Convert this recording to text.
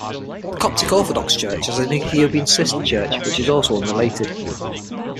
The Coptic Orthodox Church has an Ethiopian sister church, which is also unrelated.